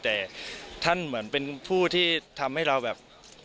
แต่ท่านเหมือนเป็นผู้ที่ทำให้เราแบบ